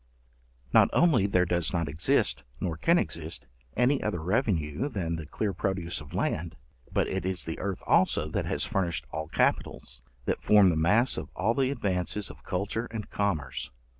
Not only there does not exist, nor can exist, any other revenue than the clear produce of land, but it is the earth also that has furnished all capitals, that form the mass of all the advances of culture and commerce.